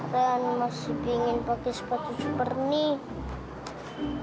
reyhan masih pingin pakai sepatu super nih